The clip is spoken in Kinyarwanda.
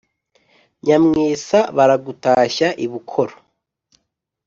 nyamwesa baragutashya i bukoro.